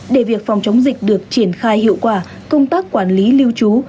để việc phòng chống dịch được triển khai hiệu quả công tác quản lý lưu trú